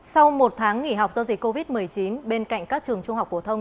sau một tháng nghỉ học do dịch covid một mươi chín bên cạnh các trường trung học phổ thông